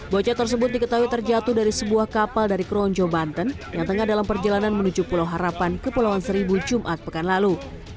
bocah tersebut diketahui terjatuh dari sebuah kapal dari kronjo banten yang tengah dalam perjalanan menuju pulau harapan kepulauan seribu jumat pekan lalu